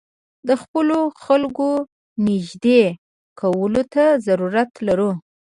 د خپلو خلکو نېږدې کولو ته ضرورت لرو.